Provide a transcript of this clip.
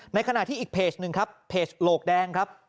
ขณะที่อีกเพจหนึ่งครับเพจโหลกแดงครับ